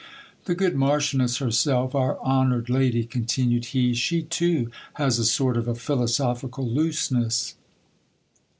The good marchioness herself, our honoured lady, continued he, she too has a sort of a philosophical looseness.